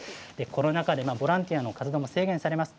コロナ禍でボランティアの数も制限されます。